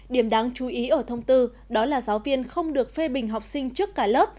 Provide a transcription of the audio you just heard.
điểm đáng chú ý ở thông tư đó là giáo viên không được phê bình học sinh trước cả lớp